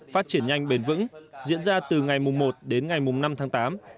phát triển nhanh bền vững diễn ra từ ngày mùng một đến ngày mùng năm tháng tám